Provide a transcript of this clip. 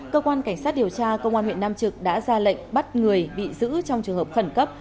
cơ quan cảnh sát điều tra công an huyện nam trực đã ra lệnh bắt người bị giữ trong trường hợp khẩn cấp